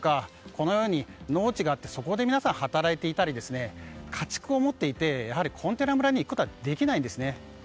このように農地があってそこで皆さん働いていたり家畜を持っていてやはりコンテナ村に行くことはできないんですね。